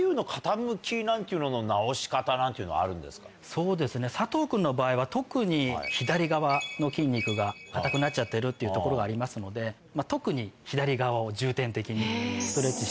そうですね佐藤君の場合は特に左側の筋肉が硬くなっちゃってるっていうところがありますので特に重点的に。